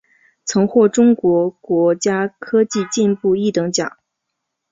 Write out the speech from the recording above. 曾获中国国家科技进步一等奖。